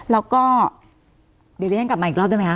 แล้วก็เดี๋ยวเรียนกลับมาอีกรอบด้วยมั้ยคะ